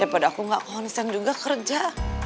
daripada aku gak konsen juga kerja